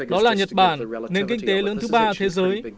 đó là nhật bản nền kinh tế lớn thứ ba thế giới